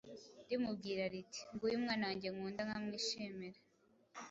rimubwira riti: ‘Nguyu Umwana wanjye nkunda nkamwishimira.’